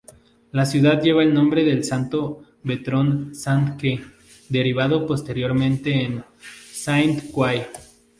La ciudad lleva el nombre del santo bretón Zant Ke, derivado posteriormente en Saint-Quay.